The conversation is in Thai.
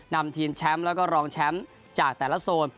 นำทีมแชมป์แล้วก็รองแชมป์จากแต่ละโซน